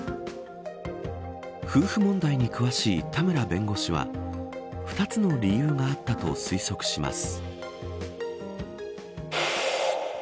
夫婦問題に詳しい田村弁護士は２つの理由があったと推測します。